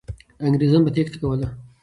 انګریزان به تېښته کوله.